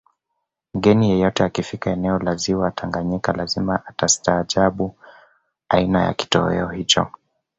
Mgeni yeyote akifika eneo la ziwa Tanganyika lazima atastahajabu aina ya kitoweo hicho